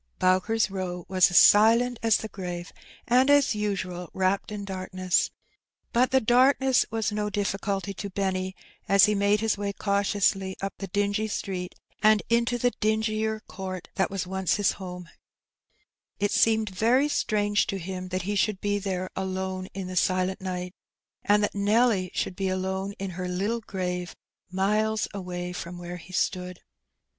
Bowker's Bow was as silent as the grave, and^ as usual, wrapped in darkness. But the darkness was no dij£culty to Benny, as he made his way cautiously up the dingy street and into the dingier court that was once his homa It seemed very strange to him that he should be there alone Adrift. 201 in the silent nighty and that Nelly should be alone in her Uttle grave miles away from where he stood.